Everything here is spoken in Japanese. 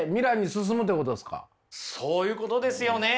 そういうことですよね。